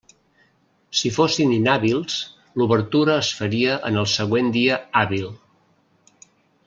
Si fossin inhàbils, l'obertura es faria en el següent dia hàbil.